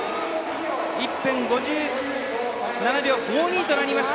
１分５７秒５２となりました。